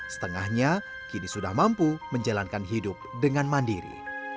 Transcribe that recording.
setengahnya kini sudah mampu menjalankan hidup dengan mandiri